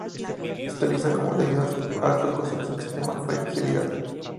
Se utiliza poco debido a su alto costo y su extrema fragilidad.